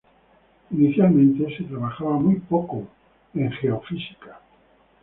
Inicialmente, se trabajaba muy poco en geofísica.